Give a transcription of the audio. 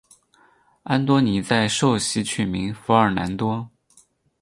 安多尼在受洗取名福尔南多。